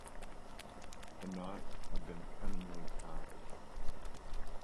The knots had been cunningly tied.